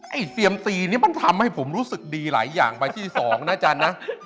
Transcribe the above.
เซียมซีนี่มันทำให้ผมรู้สึกดีหลายอย่างใบที่๒นะอาจารย์นะ